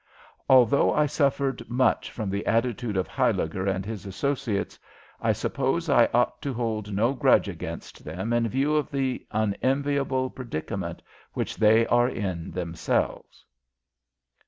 Although I suffered much from the attitude of Huyliger and his associates, I suppose I ought to hold no grudge against them in view of the unenviable predicament which they are in themselves.